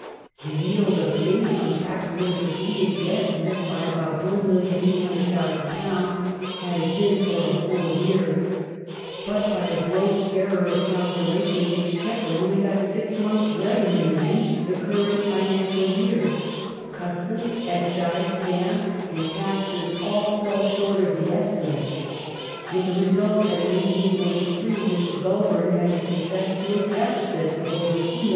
The yield of the income tax would have exceeded the estimate by about £1,200,000 had it been for a full year, but by a gross error of calculation the Exchequer only got six months revenue in the current financial year ; customs, excise, stamps, and taxes all fell short of the esti mate, with the result that, in 1843, Mr. Goulburn had to confess to a deficit of over £2,200,000.